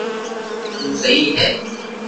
تو سھي ھي